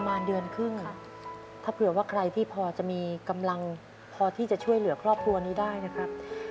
ประมาณเดือนครึ่งถ้าเผื่อว่าใครที่พอจะมีกำลังพอที่จะช่วยเหลือครอบครัวนี้ได้นะครับ